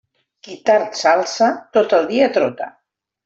Qui tard s'alça, tot el dia trota.